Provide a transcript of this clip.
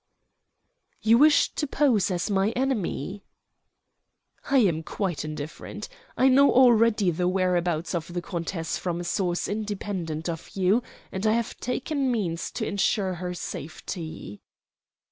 "You wish to pose as my enemy?" "I am quite indifferent. I know already the whereabouts of the countess from a source independent of you, and I have taken means to insure her safety."